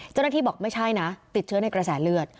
เจ้าหน้าที่บอกไม่ใช่นะติดเชื้อในกระแสเลือด